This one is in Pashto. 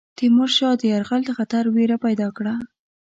د تیمور شاه د یرغل خطر وېره پیدا کړه.